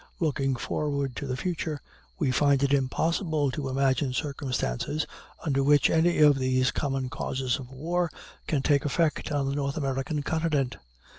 Looking forward into the future, we find it impossible to imagine circumstances under which any of these common causes of war can take effect on the North American continent.